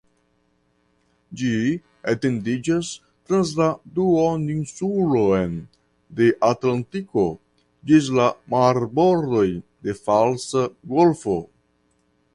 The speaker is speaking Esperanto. Ĝi etendiĝas trans la duoninsulon de Atlantiko ĝis la marbordoj de Falsa Golfo.